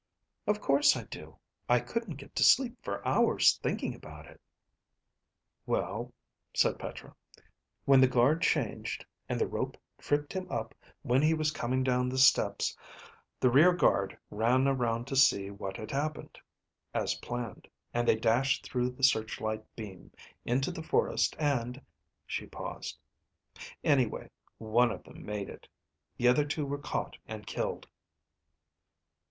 "Of course I do. I couldn't get to sleep for hours thinking about it." "Well," said Petra, "when the guard changed, and the rope tripped him up when he was coming down the steps, the rear guard ran around to see what had happened, as planned, and they dashed through the searchlight beam, into the forest, and ..." She paused. "Anyway, one of them made it. The other two were caught and killed."